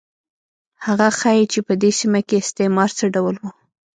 هغه ښيي چې په دې سیمه کې استعمار څه ډول و.